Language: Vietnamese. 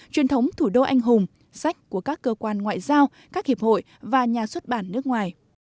truyền thống thủ đô anh hùng sách của các cơ quan ngoại giao các hiệp hội và nhà xuất bản nước ngoài